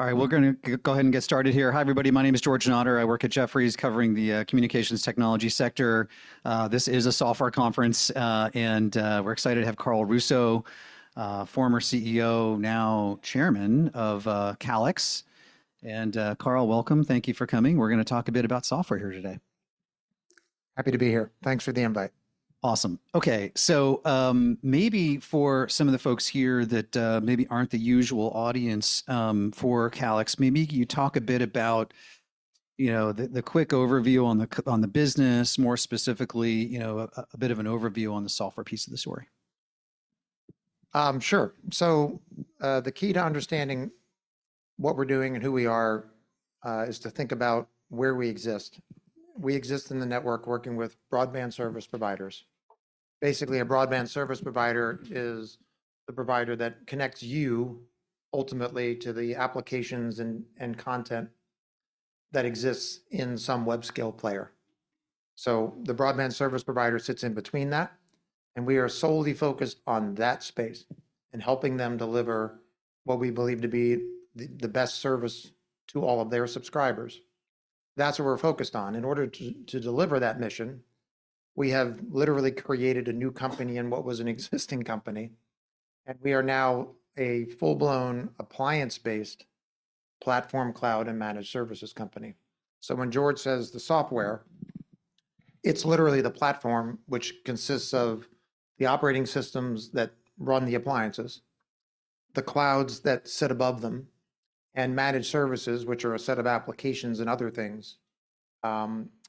All right, we're gonna go ahead and get started here. Hi, everybody. My name is George Notter. I work at Jefferies, covering the communications technology sector. This is a software conference, and we're excited to have Carl Russo, former CEO, now Chairman of Calix. And, Carl, welcome. Thank you for coming. We're gonna talk a bit about software here today. Happy to be here. Thanks for the invite. Awesome. Okay, so, maybe for some of the folks here that maybe aren't the usual audience for Calix, maybe can you talk a bit about, you know, the quick overview on the business, more specifically, you know, a bit of an overview on the software piece of the story? Sure. So, the key to understanding what we're doing and who we are, is to think about where we exist. We exist in the network working with broadband service providers. Basically, a broadband service provider is the provider that connects you, ultimately, to the applications and, and content that exists in some web-scale player. So the broadband service provider sits in between that, and we are solely focused on that space, and helping them deliver what we believe to be the, the best service to all of their subscribers. That's what we're focused on. In order to, to deliver that mission, we have literally created a new company in what was an existing company, and we are now a full-blown, appliance-based platform, cloud, and managed services company. So when George says, "The software," it's literally the platform which consists of the operating systems that run the appliances, the clouds that sit above them, and managed services, which are a set of applications and other things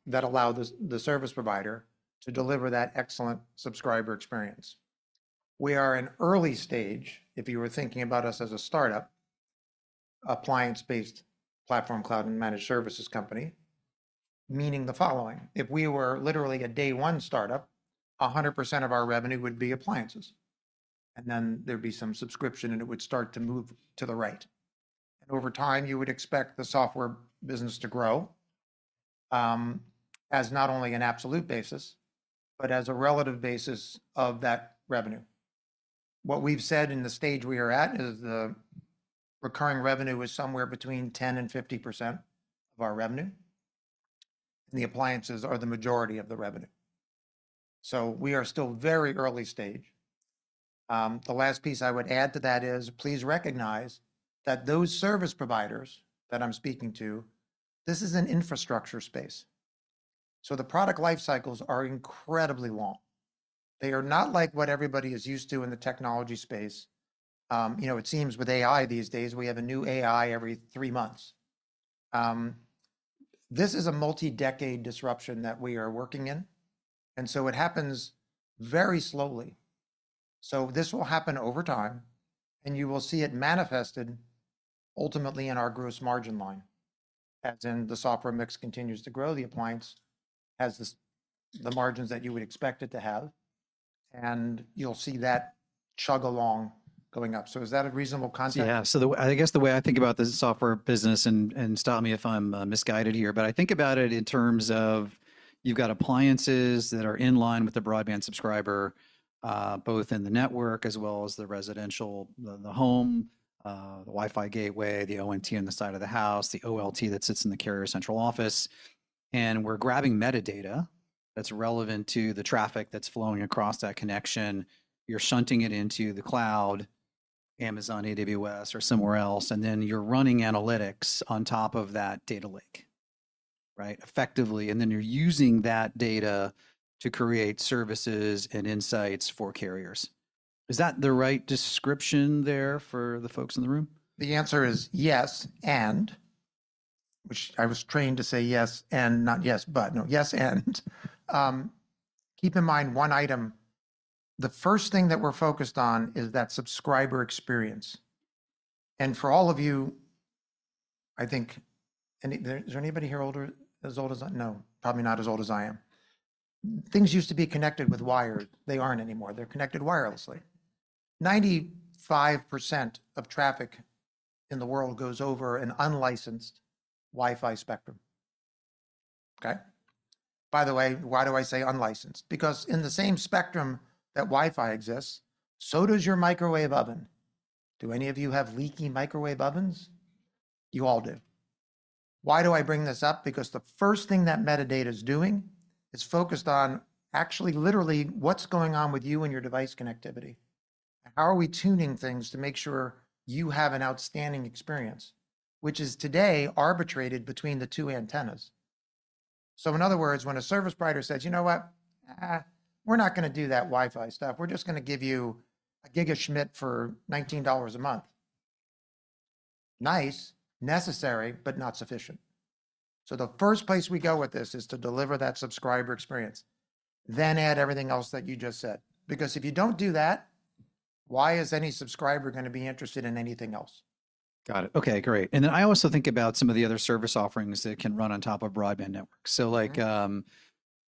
that allow the service provider to deliver that excellent subscriber experience. We are in early stage, if you were thinking about us as a startup, appliance-based platform, cloud, and managed services company, meaning the following: if we were literally a day-one startup, 100% of our revenue would be appliances, and then there'd be some subscription, and it would start to move to the right. And over time, you would expect the software business to grow, as not only an absolute basis but as a relative basis of that revenue. What we've said, and the stage we are at, is the recurring revenue is somewhere between 10% and 50% of our revenue, and the appliances are the majority of the revenue. So we are still very early stage. The last piece I would add to that is, please recognize that those service providers that I'm speaking to, this is an infrastructure space, so the product life cycles are incredibly long. They are not like what everybody is used to in the technology space. You know, it seems with AI these days, we have a new AI every three months. This is a multi-decade disruption that we are working in, and so it happens very slowly. So this will happen over time, and you will see it manifested ultimately in our gross margin line. As in the software mix continues to grow, the appliance has the margins that you would expect it to have, and you'll see that chug along, going up. So is that a reasonable concept? Yeah. So the way I think about the software business, and stop me if I'm misguided here, but I think about it in terms of you've got appliances that are in line with the broadband subscriber, both in the network as well as the residential, the home, the Wi-Fi gateway, the ONT on the side of the house, the OLT that sits in the carrier's central office, and we're grabbing metadata that's relevant to the traffic that's flowing across that connection. You're shunting it into the cloud, Amazon, AWS, or somewhere else, and then you're running analytics on top of that data lake, right? Effectively, and then you're using that data to create services and insights for carriers. Is that the right description there for the folks in the room? The answer is yes, and. Which I was trained to say, "Yes, and," not "Yes, but." No. Yes, and. Keep in mind one item: the first thing that we're focused on is that subscriber experience. And for all of you, I think, is there anybody here older, as old as I... No, probably not as old as I am. Things used to be connected with wire. They aren't anymore. They're connected wirelessly. 95% of traffic in the world goes over an unlicensed Wi-Fi spectrum, okay? By the way, why do I say unlicensed? Because in the same spectrum that Wi-Fi exists, so does your microwave oven. Do any of you have leaky microwave ovens? You all do. Why do I bring this up? Because the first thing that metadata is doing is focused on actually, literally, what's going on with you and your device connectivity, and how are we tuning things to make sure you have an outstanding experience, which is, today, arbitrated between the two antennas. So in other words, when a service provider says, "You know what? Eh, we're not gonna do that Wi-Fi stuff. We're just gonna give you a gigabit for $19 a month," nice, necessary, but not sufficient. So the first place we go with this is to deliver that subscriber experience, then add everything else that you just said. Because if you don't do that, why is any subscriber gonna be interested in anything else? Got it. Okay, great. And then I also think about some of the other service offerings that can run on top of broadband networks. Mm-hmm. So, like,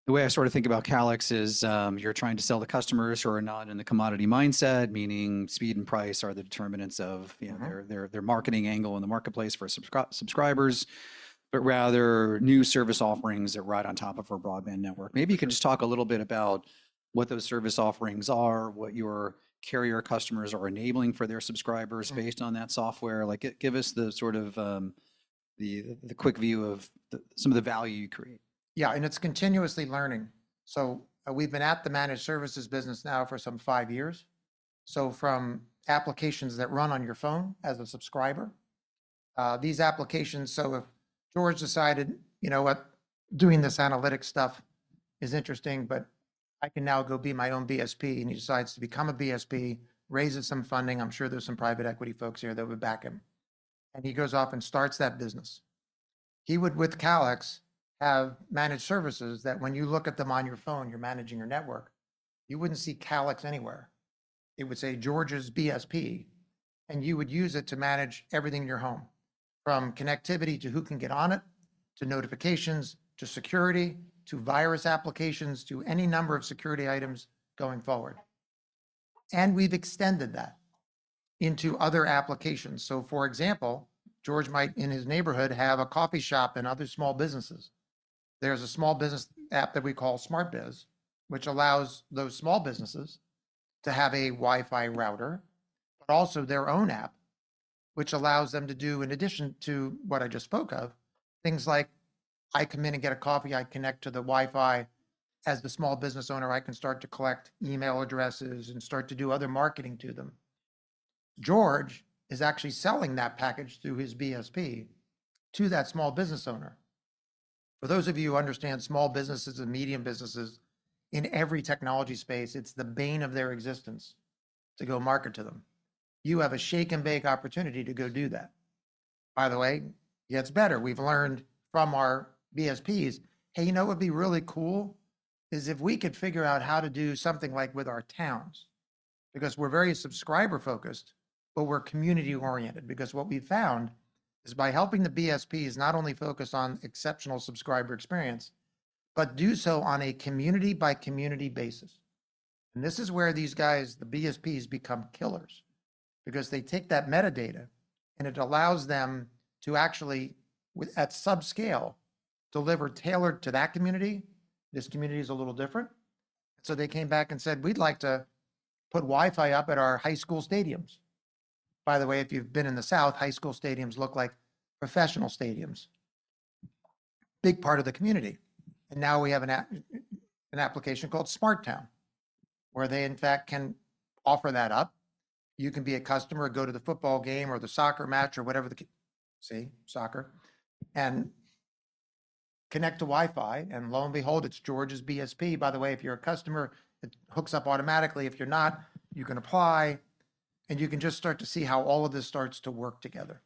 the way I sort of think about Calix is, you're trying to sell to customers who are not in the commodity mindset, meaning speed and price are the determinants of, you know- Mm-hmm... their marketing angle in the marketplace for subscribers, but rather, new service offerings that ride on top of a broadband network. Sure. Maybe you could just talk a little bit about what those service offerings are, what your carrier customers are enabling for their subscribers? Sure... based on that software. Like, give us the sort of quick view of some of the value you create. Yeah, and it's continuously learning. So, we've been at the managed services business now for some five years. So from applications that run on your phone as a subscriber, these applications, so if George decided, "You know what? Doing this analytics stuff is interesting, but I can now go be my own BSP," and he decides to become a BSP, raises some funding. I'm sure there's some private equity folks here that would back him. And he goes off and starts that business. He would, with Calix, have managed services, that when you look at them on your phone, you're managing your network, you wouldn't see Calix anywhere. It would say, George's BSP, and you would use it to manage everything in your home, from connectivity to who can get on it, to notifications, to security, to virus applications, to any number of security items going forward. And we've extended that into other applications. So, for example, George might, in his neighborhood, have a coffee shop and other small businesses. There's a small business app that we call SmartBiz, which allows those small businesses to have a Wi-Fi router, but also their own app, which allows them to do, in addition to what I just spoke of, things like, I come in and get a coffee, I connect to the Wi-Fi. As the small business owner, I can start to collect email addresses and start to do other marketing to them. George is actually selling that package through his BSP to that small business owner. For those of you who understand small businesses and medium businesses, in every technology space, it's the bane of their existence to go market to them. You have a shake-and-bake opportunity to go do that. By the way, it gets better. We've learned from our BSPs, "Hey, you know what would be really cool? Is if we could figure out how to do something like with our towns," because we're very subscriber-focused, but we're community-oriented. Because what we've found is by helping the BSPs not only focus on exceptional subscriber experience, but do so on a community-by-community basis, and this is where these guys, the BSPs, become killers. Because they take that metadata, and it allows them to actually, with at subscale, deliver tailored to that community. This community is a little different. So they came back and said, "We'd like to put Wi-Fi up at our high school stadiums." By the way, if you've been in The South, high school stadiums look like professional stadiums. Big part of the community. And now we have an application called SmartTown, where they, in fact, can offer that up. You can be a customer, go to the football game or the soccer match or whatever the... See? Soccer. And connect to Wi-Fi, and lo and behold, it's George's BSP. By the way, if you're a customer, it hooks up automatically. If you're not, you can apply, and you can just start to see how all of this starts to work together.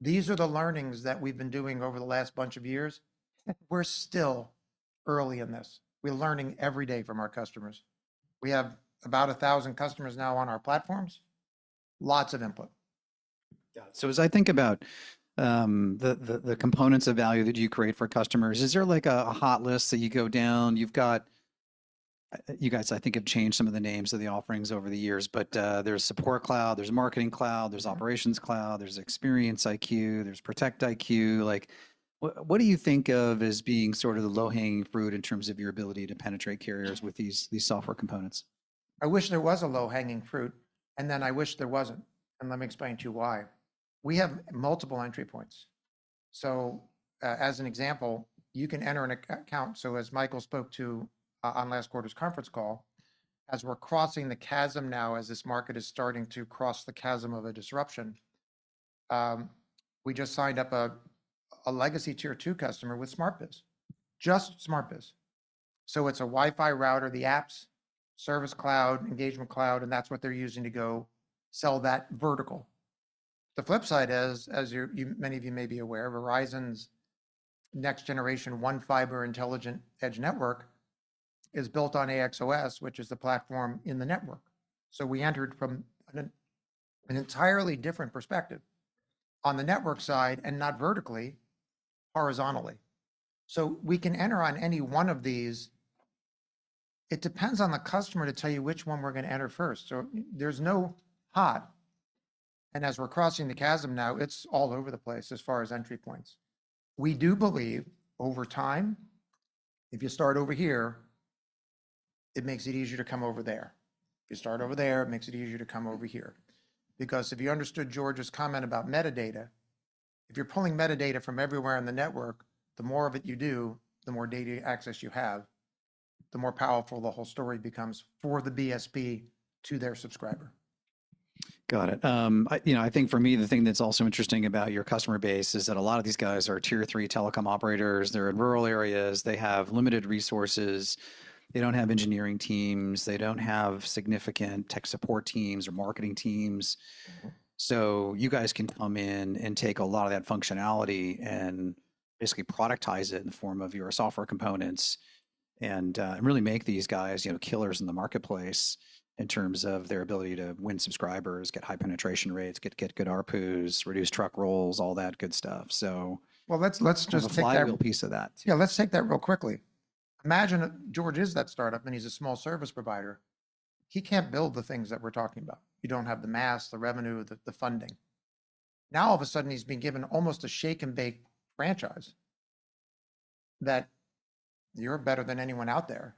These are the learnings that we've been doing over the last bunch of years, and we're still early in this. We're learning every day from our customers. We have about 1,000 customers now on our platforms. Lots of input. Yeah. So as I think about the components of value that you create for customers, is there, like, a hot list that you go down? You've got... You guys, I think, have changed some of the names of the offerings over the years, but there's Support Cloud, there's Marketing Cloud, there's Operations Cloud, there's ExperienceIQ, there's ProtectIQ. Like, what do you think of as being sort of the low-hanging fruit in terms of your ability to penetrate carriers with these software components? I wish there was a low-hanging fruit, and then I wish there wasn't, and let me explain to you why. We have multiple entry points. So, as an example, you can enter an account. So as Michael spoke to, on last quarter's conference call, as we're crossing the chasm now, as this market is starting to cross the chasm of a disruption, we just signed up a legacy Tier 2 customer with SmartBiz. Just SmartBiz. So it's a Wi-Fi router, the apps, Service Cloud, Engagement Cloud, and that's what they're using to go sell that vertical. The flip side is, as many of you may be aware, Verizon's next generation One Fiber Intelligent Edge Network is built on AXOS, which is the platform in the network. So we entered from an entirely different perspective on the network side and not vertically, horizontally. So we can enter on any one of these. It depends on the customer to tell you which one we're gonna enter first, so no, there's no hot. And as we're crossing the chasm now, it's all over the place as far as entry points. We do believe, over time, if you start over here, it makes it easier to come over there. If you start over there, it makes it easier to come over here. Because if you understood George's comment about metadata, if you're pulling metadata from everywhere in the network, the more of it you do, the more data access you have, the more powerful the whole story becomes for the BSP to their subscriber. Got it. You know, I think for me, the thing that's also interesting about your customer base is that a lot of these guys are Tier 3 telecom operators. They're in rural areas. They have limited resources. They don't have engineering teams. They don't have significant tech support teams or marketing teams. Mm-hmm. So you guys can come in and take a lot of that functionality and basically productize it in the form of your software components and and really make these guys, you know, killers in the marketplace in terms of their ability to win subscribers, get high penetration rates, get good ARPUs, reduce truck rolls, all that good stuff, so- Well, let's just take that- The flywheel piece of that. Yeah, let's take that real quickly. Imagine that George is that start-up, and he's a small service provider. He can't build the things that we're talking about. You don't have the mass, the revenue, the, the funding. Now, all of a sudden, he's been given almost a shake-and-bake franchise, that you're better than anyone out there,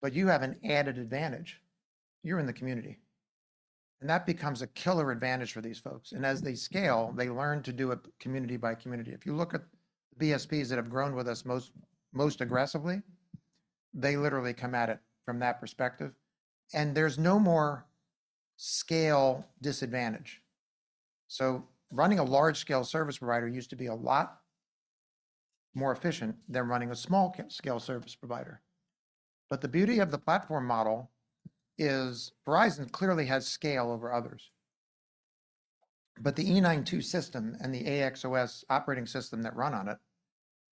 but you have an added advantage. You're in the community, and that becomes a killer advantage for these folks, and as they scale, they learn to do it community by community. If you look at the BSPs that have grown with us most, most aggressively, they literally come at it from that perspective, and there's no more scale disadvantage. So running a large-scale service provider used to be a lot more efficient than running a small-scale service provider. But the beauty of the platform model is Verizon clearly has scale over others. But the E9-2 system and the AXOS operating system that run on it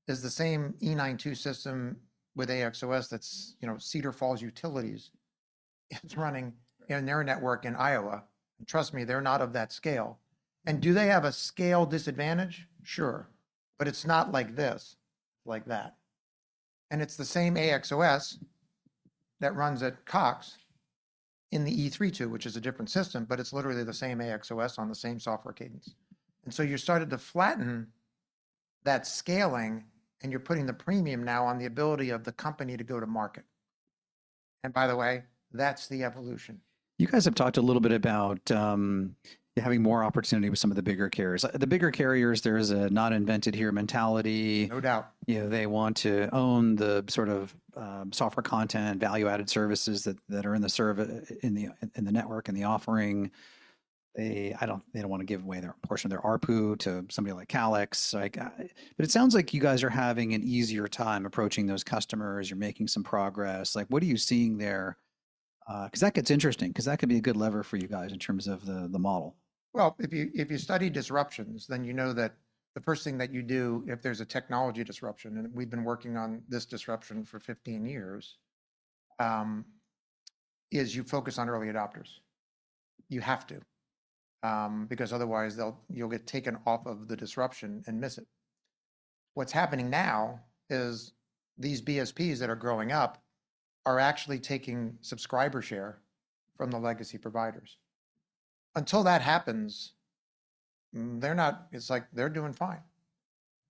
is the same E9-2 system with AXOS that's, you know, Cedar Falls Utilities. It's running in their network in Iowa, and trust me, they're not of that scale. And do they have a scale disadvantage? Sure, but it's not like this, it's like that. And it's the same AXOS that runs at Cox in the E3-2, which is a different system, but it's literally the same AXOS on the same software cadence. And so you're starting to flatten that scaling, and you're putting the premium now on the ability of the company to go to market. And by the way, that's the evolution. You guys have talked a little bit about, having more opportunity with some of the bigger carriers. The bigger carriers, there's a not invented here mentality. No doubt. You know, they want to own the sort of software content and value-added services that are in the service in the network, in the offering. They don't wanna give away their portion of their ARPU to somebody like Calix. Like, 'cause that gets interesting, 'cause that could be a good lever for you guys in terms of the model. Well, if you study disruptions, then you know that the first thing that you do, if there's a technology disruption, and we've been working on this disruption for 15 years, is you focus on early adopters. You have to, because otherwise, you'll get taken off of the disruption and miss it. What's happening now is these BSPs that are growing up are actually taking subscriber share from the legacy providers. Until that happens, they're not. It's like they're doing fine.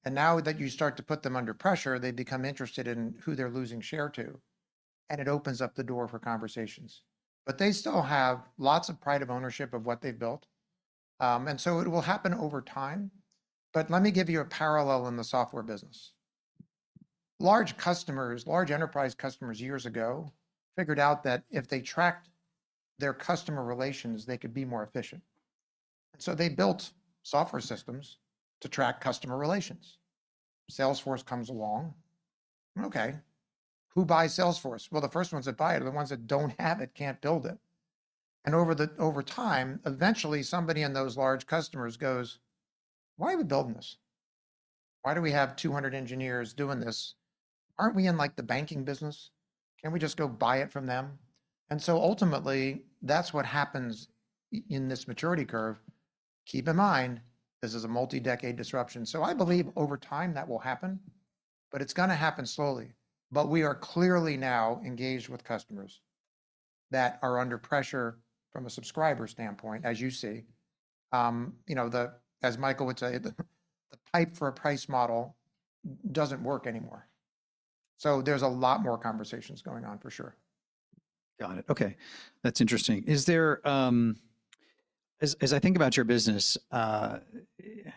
And now that you start to put them under pressure, they become interested in who they're losing share to, and it opens up the door for conversations. But they still have lots of pride of ownership of what they've built, and so it will happen over time. But let me give you a parallel in the software business. Large customers, large enterprise customers years ago figured out that if they tracked their customer relations, they could be more efficient. And so they built software systems to track customer relations. Salesforce comes along. Okay, who buys Salesforce? Well, the first ones that buy it are the ones that don't have it, can't build it. And over time, eventually, somebody in those large customers goes: "Why are we building this? Why do we have 200 engineers doing this? Aren't we in, like, the banking business? Can we just go buy it from them?" And so ultimately, that's what happens in this maturity curve. Keep in mind, this is a multi-decade disruption, so I believe over time that will happen, but it's gonna happen slowly. But we are clearly now engaged with customers that are under pressure from a subscriber standpoint, as you see. You know, as Michael would say, "The pipe for a price model doesn't work anymore." So there's a lot more conversations going on, for sure. Got it. Okay, that's interesting. Is there... As I think about your business, you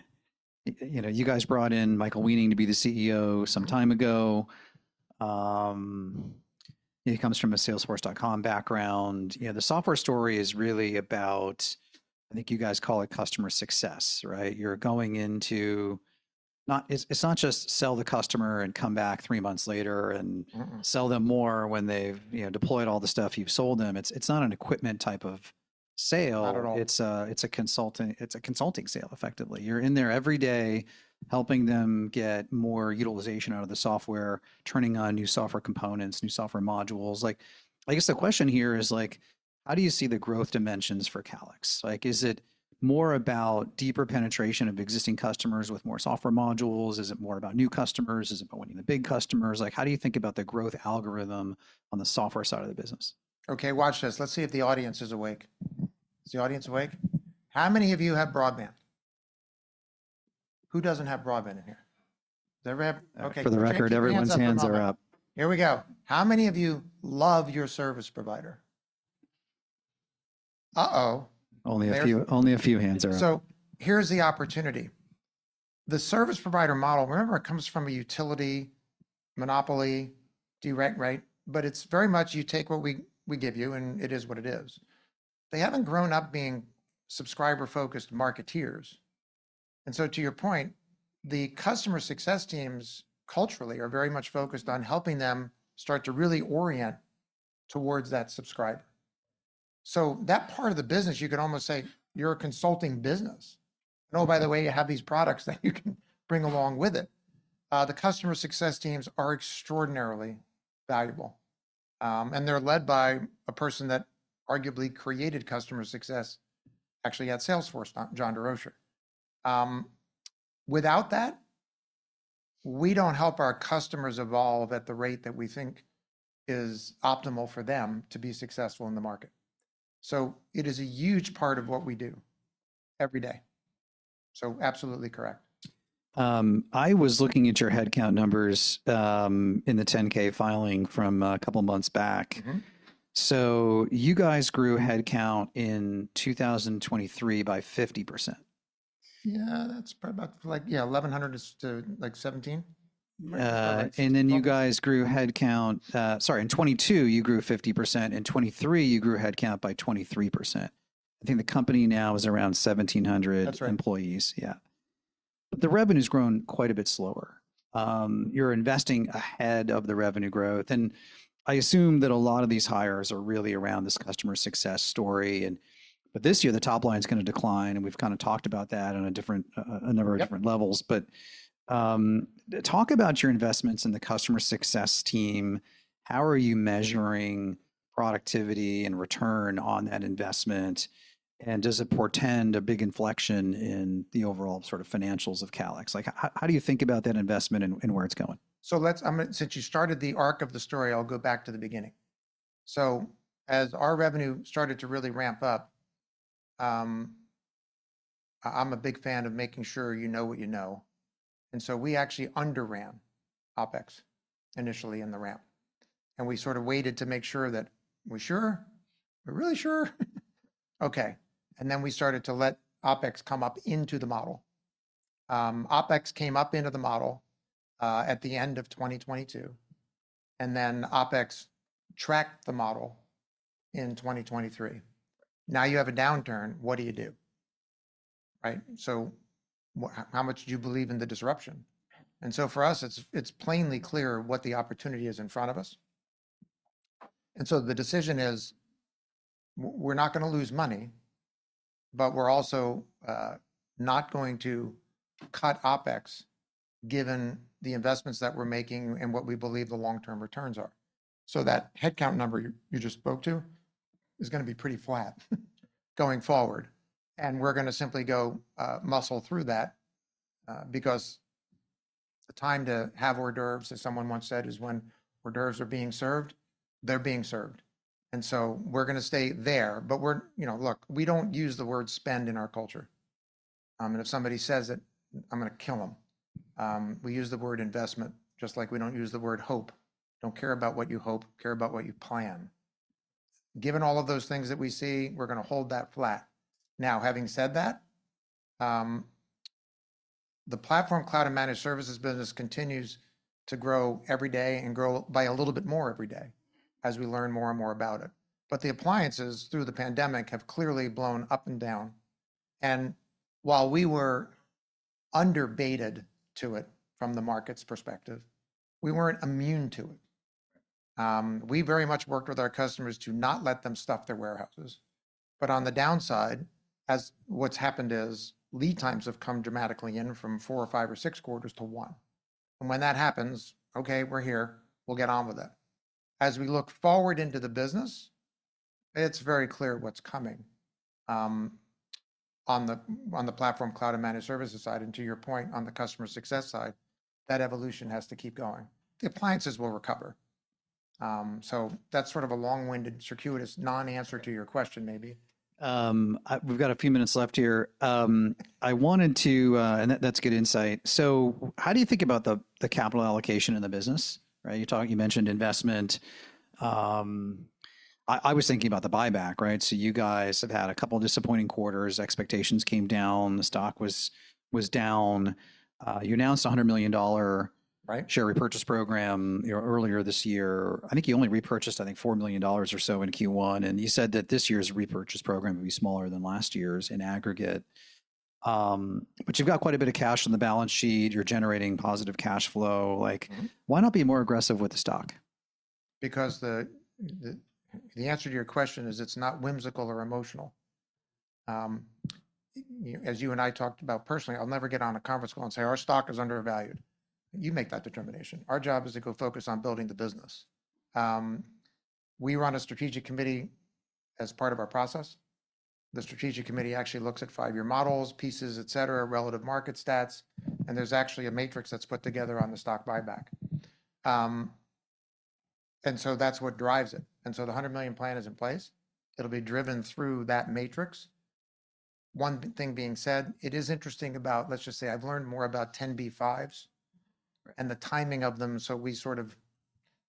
know, you guys brought in Michael Weening to be the CEO some time ago. He comes from a Salesforce.com background. You know, the software story is really about, I think you guys call it customer success, right? You're going into, it's not just sell the customer and come back three months later and- Mm-mm... sell them more when they've, you know, deployed all the stuff you've sold them. It's, it's not an equipment type of sale. Not at all. It's a consulting sale, effectively. You're in there every day, helping them get more utilization out of the software, turning on new software components, new software modules. Like, I guess the question here is, like, how do you see the growth dimensions for Calix? Like, is it more about deeper penetration of existing customers with more software modules? Is it more about new customers? Is it about winning the big customers? Like, how do you think about the growth algorithm on the software side of the business? Okay, watch this. Let's see if the audience is awake. Is the audience awake? How many of you have broadband? Who doesn't have broadband in here? Does everybody have? Okay. For the record, everyone's hands are up. Here we go. How many of you love your service provider? Uh-oh! Only a few, only a few hands are up. So, here's the opportunity. The service provider model, remember, it comes from a utility, monopoly, direct, right? But it's very much you take what we, we give you, and it is what it is. They haven't grown up being subscriber-focused marketeers. And so to your point, the customer success teams, culturally, are very much focused on helping them start to really orient towards that subscriber. So that part of the business, you could almost say, you're a consulting business. And oh, by the way, you have these products that you can bring along with it. The customer success teams are extraordinarily valuable, and they're led by a person that arguably created customer success, actually at Salesforce, not John Durocher. Without that, we don't help our customers evolve at the rate that we think is optimal for them to be successful in the market. So it is a huge part of what we do... every day. So absolutely correct. I was looking at your headcount numbers, in the 10-K filing from a couple months back. Mm-hmm. You guys grew headcount in 2023 by 50%? Yeah, that's probably about, like, yeah, 1,100 to, like, 17. Right? And then you guys grew headcount, sorry, in 2022, you grew headcount by 23%. I think the company now is around 1,700- That's right... employees. Yeah. But the revenue's grown quite a bit slower. You're investing ahead of the revenue growth, and I assume that a lot of these hires are really around this customer success story, and but this year, the top line's gonna decline, and we've kinda talked about that on a different, a number- Yep... of different levels. But, talk about your investments in the customer success team. How are you measuring productivity and return on that investment? And does it portend a big inflection in the overall sort of financials of Calix? Like, how, how do you think about that investment and, and where it's going? So let's, I'm gonna-- since you started the arc of the story, I'll go back to the beginning. So as our revenue started to really ramp up, I'm a big fan of making sure you know what you know, and so we actually under-ran OpEx, initially in the ramp. And we sort of waited to make sure that, "We're sure? We're really sure? Okay." And then we started to let OpEx come up into the model. OpEx came up into the model at the end of 2022, and then OpEx tracked the model in 2023. Now, you have a downturn, what do you do? Right. So how much do you believe in the disruption? And so for us, it's plainly clear what the opportunity is in front of us. And so the decision is, we're not gonna lose money, but we're also not going to cut OpEx, given the investments that we're making and what we believe the long-term returns are. So that headcount number you just spoke to is gonna be pretty flat, going forward, and we're gonna simply go muscle through that. Because the time to have hors d'oeuvres, as someone once said, is when hors d'oeuvres are being served. They're being served, and so we're gonna stay there, but we're... You know, look, we don't use the word 'spend' in our culture. And if somebody says it, I'm gonna kill 'em. We use the word 'investment,' just like we don't use the word 'hope.' Don't care about what you hope, care about what you plan. Given all of those things that we see, we're gonna hold that flat. Now, having said that, the platform cloud and managed services business continues to grow every day and grow by a little bit more every day, as we learn more and more about it. But the appliances, through the pandemic, have clearly blown up and down, and while we were underweighted to it from the market's perspective, we weren't immune to it. We very much worked with our customers to not let them stuff their warehouses. But on the downside, as what's happened is, lead times have come dramatically in from 4 or 5 or 6 quarters to 1. And when that happens, okay, we're here. We'll get on with it. As we look forward into the business, it's very clear what's coming, on the platform cloud and managed services side. And to your point, on the customer success side, that evolution has to keep going. The appliances will recover. So that's sort of a long-winded, circuitous, non-answer to your question, maybe. We've got a few minutes left here. I wanted to... And that, that's good insight. So how do you think about the capital allocation in the business, right? You talk, you mentioned investment. I was thinking about the buyback, right? So you guys have had a couple disappointing quarters, expectations came down, the stock was down. You announced $100 million dollar- Right... share repurchase program, you know, earlier this year. I think you only repurchased, I think, $4 million or so in Q1, and you said that this year's repurchase program would be smaller than last year's in aggregate. But you've got quite a bit of cash on the balance sheet. You're generating positive cash flow. Mm-hmm. Like, why not be more aggressive with the stock? Because the answer to your question is, it's not whimsical or emotional. As you and I talked about personally, I'll never get on a conference call and say, "Our stock is undervalued." You make that determination. Our job is to go focus on building the business. We run a strategic committee as part of our process. The strategic committee actually looks at five-year models, pieces, et cetera, relative market stats, and there's actually a matrix that's put together on the stock buyback. And so that's what drives it, and so the $100 million plan is in place. It'll be driven through that matrix. One thing being said, it is interesting about... Let's just say, I've learned more about 10b5-1s- Right... and the timing of them, so we sort of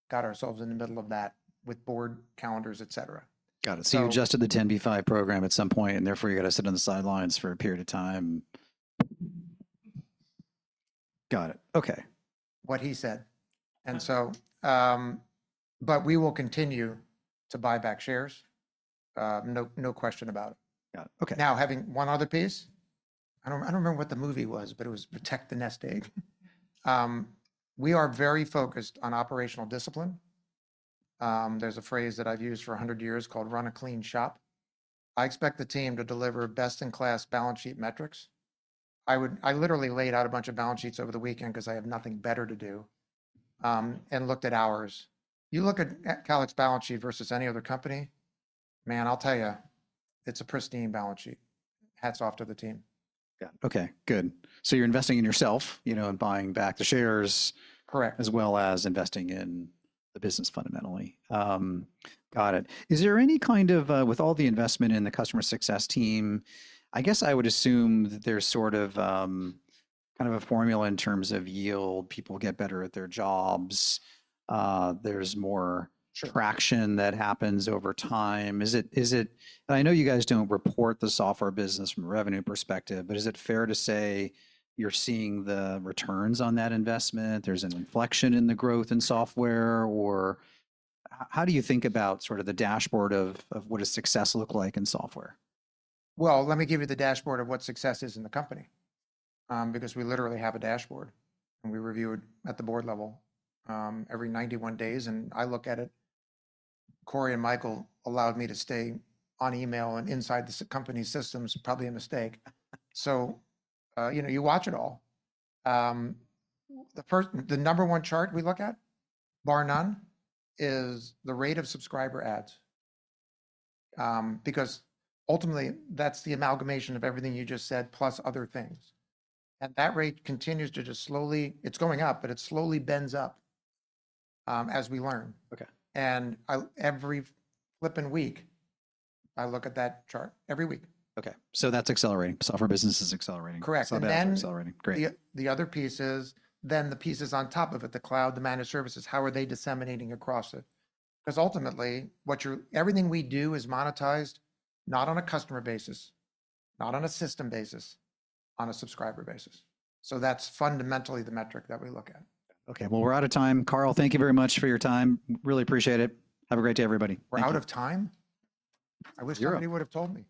got ourselves in the middle of that with board calendars, et cetera. Got it. So- So you adjusted the 10b5 program at some point, and therefore, you've got to sit on the sidelines for a period of time. Got it. Okay. What he said. Uh. But we will continue to buy back shares. No, no question about it. Got it. Okay. Now, having one other piece, I don't remember what the movie was, but it was Protect the Nest Egg. We are very focused on operational discipline. There's a phrase that I've used for a hundred years, called 'run a clean shop.' I expect the team to deliver best-in-class balance sheet metrics. I literally laid out a bunch of balance sheets over the weekend, 'cause I have nothing better to do, and looked at ours. You look at Calix's balance sheet versus any other company, man, I'll tell you, it's a pristine balance sheet. Hats off to the team. Yeah. Okay, good. So you're investing in yourself, you know, and buying back the shares- Correct... as well as investing in the business, fundamentally. Got it. Is there any kind of, with all the investment in the customer success team, I guess I would assume that there's sort of, kind of a formula in terms of yield. People get better at their jobs. There's more- Sure... traction that happens over time. Is it, and I know you guys don't report the software business from a revenue perspective, but is it fair to say you're seeing the returns on that investment? There's an inflection in the growth in software, or how do you think about sort of the dashboard of what does success look like in software? Well, let me give you the dashboard of what success is in the company, because we literally have a dashboard, and we review it at the board level, every 91 days, and I look at it. Cory and Michael allowed me to stay on email and inside the company's systems, probably a mistake. So, you know, you watch it all. The first, the number one chart we look at, bar none, is the rate of subscriber adds, because ultimately, that's the amalgamation of everything you just said, plus other things. And that rate continues to just slowly... It's going up, but it slowly bends up, as we learn. Okay. I, every flippin' week, I look at that chart. Every week. Okay. So that's accelerating. Software business is accelerating. Correct. Software is accelerating. And then- Great... the other piece is, then the pieces on top of it, the cloud, the managed services, how are they disseminating across it? 'Cause ultimately, what you're - everything we do is monetized, not on a customer basis, not on a system basis, on a subscriber basis. So that's fundamentally the metric that we look at. Okay. Well, we're out of time. Carl, thank you very much for your time. Really appreciate it. Have a great day, everybody. Thank you. We're out of time? Yeah. I wish somebody would've told me.